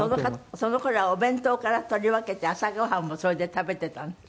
その頃はお弁当から取り分けて朝ご飯もそれで食べていたんですって？